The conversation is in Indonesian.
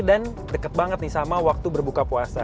dan deket banget nih sama waktu berbuka puasa